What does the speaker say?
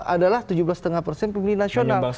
adalah tujuh belas lima persen pemilih nasional